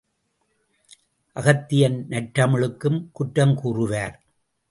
அகத்தியன் நற்றமிழுக்கும் குற்றம் கூறுவார்.